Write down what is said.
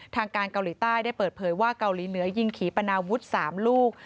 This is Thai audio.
ทางการเกาหลีใต้ได้เปิดเผยว่าเกาหลีเหนือยิงขี่ปนาวุฒิ๓ลูก